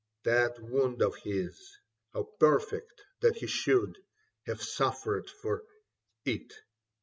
That wound of his. How perfect that he should Have suffered it for — ^what